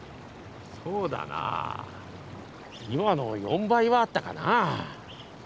そうだなぁ今の４倍はあったかなぁ。